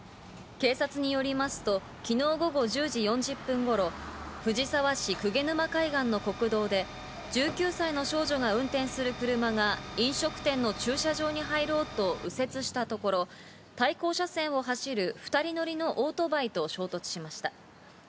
警察によりますと、昨日午後１０時４０分頃、藤沢市鵠沼海岸の国道で１９歳の少女が運転する車が飲食店の駐車場に入ろうと右折したところ、対向車線を走る２人乗りのオートバイと衝突しました。